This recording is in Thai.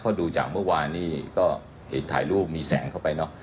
เพราะดูจากเมื่อวานนี้ก็เห็นถ่ายรูปมีแสงเข้าไปเนอะ